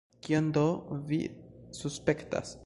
Kion do vi suspektas?